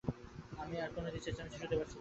আমি আর কোনো চেচামেচি শুনতে পারছি না।